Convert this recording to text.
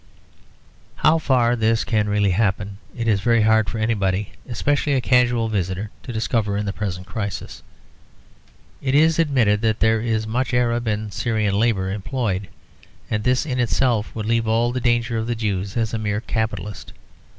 How far this can really happen it is very hard for anybody, especially a casual visitor, to discover in the present crisis. It is admitted that there is much Arab and Syrian labour employed; and this in itself would leave all the danger of the Jew as a mere capitalist.